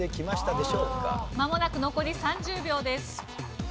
まもなく残り３０秒です。